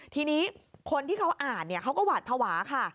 ทีนี้คนที่เขาอ่านเขาก็หวาดภาวะค่ะ